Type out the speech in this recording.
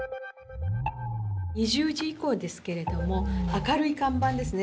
２０時以降ですけれども明るい看板ですね